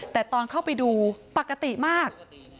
แต่ตอนเข้าไปดูปกติมาก